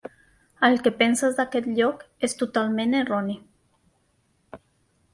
El que penses d'aquest lloc és totalment erroni.